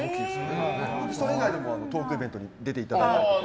それ以外でもトークイベントに出ていただいたりとか。